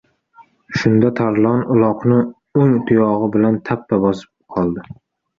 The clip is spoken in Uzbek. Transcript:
Shunda, Tarlon uloqni o‘ng tuyog‘i bilan tappa bosib qoldi.